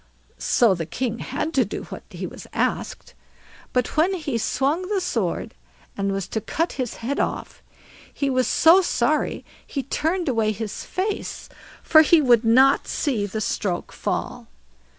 So the king had to do what he asked; but when he swung the sword and was to cut his head off, he was so sorry he turned away his face, for he would not see the stroke fall.